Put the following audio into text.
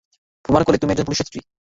প্রমাণ করলে তুমি একজন পুলিশের স্ত্রী।